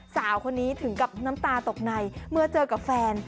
สาวคนนี้ถึงกับน้ำตาตกในเมื่อเจอกับแฟน